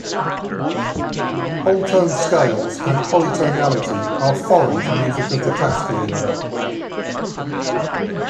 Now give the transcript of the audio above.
Whole-tone scales and polytonality are foreign to music of the Classical era.